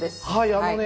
あのね